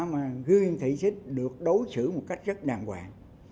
mà gương thị trích được đối xử một cách rất đàng hoàng